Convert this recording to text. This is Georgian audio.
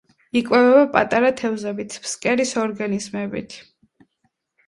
იკვებება პატარა თევზებით, ფსკერის ორგანიზმებით.